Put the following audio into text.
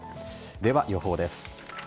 では予報です。